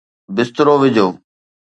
بسترو وجھو